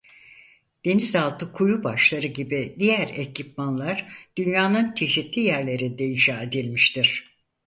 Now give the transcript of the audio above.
Denizaltı kuyu başları gibi diğer ekipmanlar dünyanın çeşitli yerlerinde inşa edilmiştir.